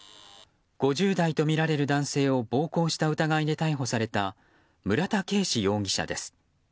５０代とみられる男性を暴行した疑いで逮捕された村田圭司容疑者です。